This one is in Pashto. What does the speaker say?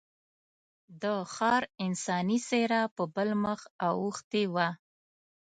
د ښار انساني څېره په بل مخ اوښتې وه.